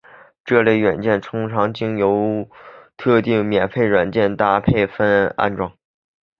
这类软件通常经由与特定免费软件搭配分别安装。